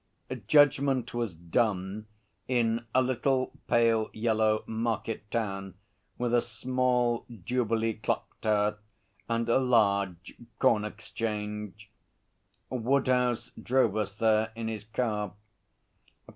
Judgment was done in a little pale yellow market town with a small, Jubilee clock tower and a large corn exchange. Woodhouse drove us there in his car.